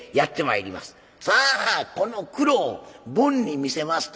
さあこのクロを坊に見せますと。